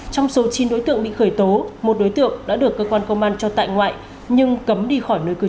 trong số chín đối tượng bị khởi tố một đối tượng đã được cơ quan công an cho tại ngoại nhưng cấm đi khỏi nơi cư trú